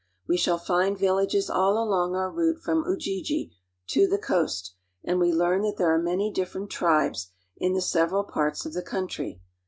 We shall I find villages all along our route from Ujiji to the coast, and I we learn that there are many different tribes in the several ' parts of the country.